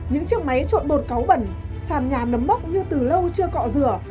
những chiếc máy trộn bột cáu bẩn sàn nhà nấm bóc như từ lâu chưa cọ rửa